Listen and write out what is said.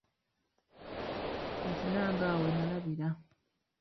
Kati nange awo wennalabira.